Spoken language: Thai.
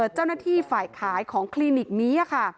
เจ้าหน้าที่ฝ่ายขายของคลินิกนี้ค่ะ